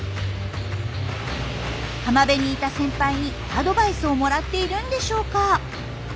浜辺にいた先輩にアドバイスをもらっているんでしょうか？